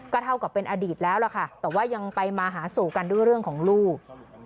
เท่ากับเป็นอดีตแล้วล่ะค่ะแต่ว่ายังไปมาหาสู่กันด้วยเรื่องของลูก